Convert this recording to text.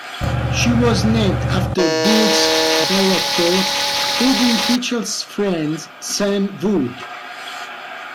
She was named after Wood's director Irving Pichel's friend Sam Wood.